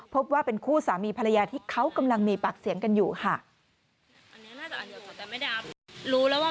พบว่าเป็นคู่สามีภรรยาที่เขากำลังมีปากเสียงกันอยู่ค่ะ